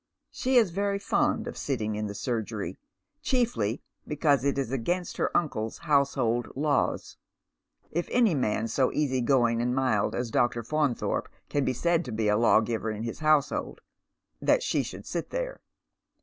She is very fond of sitting in the surgery, chiefly because it is against her uncle's household laws — if any man so easy going and mild as Dr. Faunthorpe can be said to be a law giver in his household — that she sliould sit there.